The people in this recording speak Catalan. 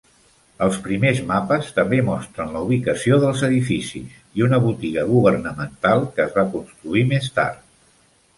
Els primers mapes també mostren la ubicació dels edificis, i una botiga governamental, que es va construir més tard.